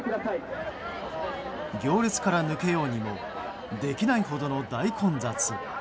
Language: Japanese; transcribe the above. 行列から抜けようにもできないほどの大混雑。